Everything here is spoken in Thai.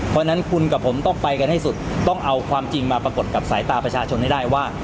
เพราะฉะนั้นคุณกับผมต้องไปกันให้สุดต้องเอาความจริงมาปรากฏกับสายตาประชาชนให้ได้ว่า